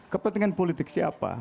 kepentingan politik siapa